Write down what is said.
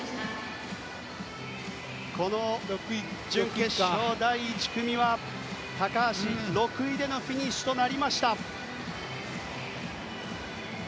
この準決勝第１組は高橋６位でのフィニッシュです。